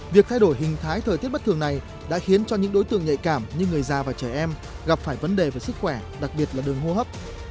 việc thay đổi hình thái thời tiết bất thường này đã khiến cho những đối tượng nhạy cảm như người già và trẻ em gặp phải vấn đề về sức khỏe đặc biệt là đường hô hấp